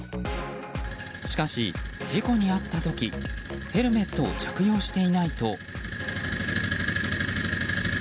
しかし、事故に遭った時ヘルメットを着用していないと。